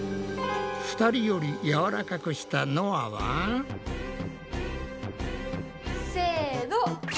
２人よりやわらかくしたのあは。せの！